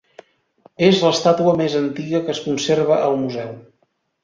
És l'estàtua més antiga que es conserva al museu.